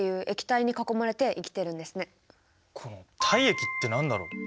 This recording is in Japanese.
この体液って何だろう？